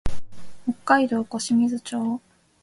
北海道小清水町